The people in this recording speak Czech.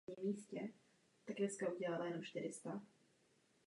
V tomto roce soutěžili pouze muži a jen ve dvouhře.